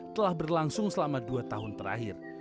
telah berlangsung selama dua tahun terakhir